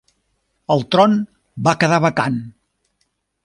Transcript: El tron va quedar vacant.